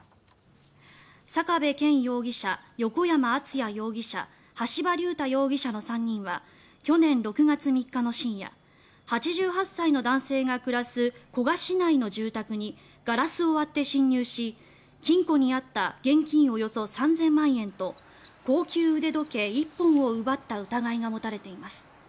坂部謙容疑者、横山篤也容疑者橋場龍太容疑者の３人は去年６月３日の深夜８８歳の男性が暮らす古河市内の住宅にガラスを割って侵入し金庫にあった現金およそ３０００万円と高級腕時計１本を奪った疑いが持たれています。